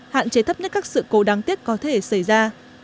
hạn chế thấp nhất các sự cố đáng tiếc có thể xảy ra